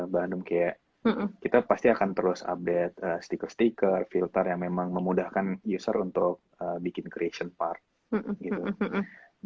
bandung kayak kita pasti akan terus update stiker stiker filter yang memang memudahkan user untuk bikin creation part gitu